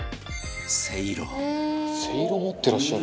「せいろ持ってらっしゃる」